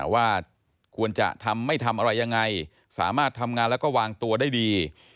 ว่าควรจะทำไม่ทำอะไรยังไงสามารถทำงานแล้วก็วางตัวได้ดี